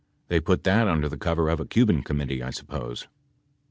They put that under the cover of a Cuban Committee , I suppose?